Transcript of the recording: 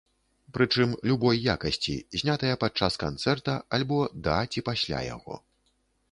Прычым, любой якасці, знятыя падчас канцэрта, альбо да ці пасля яго.